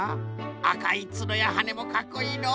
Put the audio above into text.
あかいつのやはねもかっこいいのう。